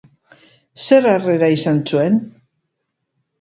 Zer harrera izan zuen?